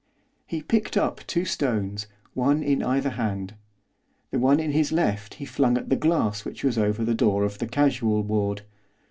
He picked up two stones, one in either hand. The one in his left he flung at the glass which was over the door of the casual ward.